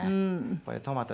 これトマトで。